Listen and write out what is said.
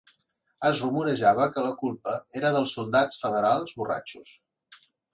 Es rumorejava que la culpa era dels soldats federals borratxos.